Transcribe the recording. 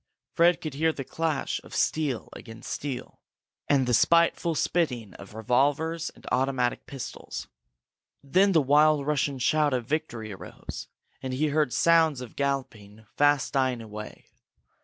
Fred could hear the clash of steel against steel and the spiteful spitting of revolvers and automatic pistols. Then the wild Russian shout of victory arose, and he heard sounds of galloping fast dying away.